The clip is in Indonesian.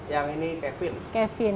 yang ini kevin